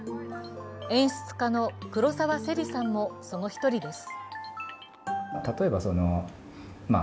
演出家の黒澤世莉さんもその一人です。